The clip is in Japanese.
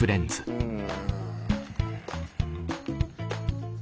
うん。